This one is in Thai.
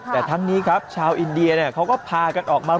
แต่ทั้งนี้ครับชาวอินเดียเขาก็พากันออกมา